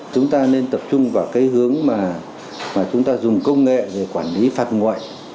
chúng ta nên tập trung vào cái hướng mà chúng ta dùng công nghệ để quản lý phạt ngoại